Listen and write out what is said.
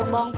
i mean you